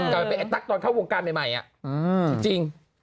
กลายเป็นไอ้ตั๊กตอนเข้าวงการใหม่จริง